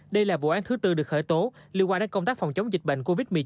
đây là vụ án thứ tư được khởi tố liên quan đến công tác phòng chống dịch bệnh covid một mươi chín